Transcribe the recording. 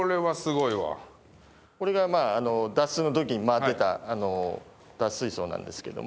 これが脱水の時に回ってた脱水槽なんですけども。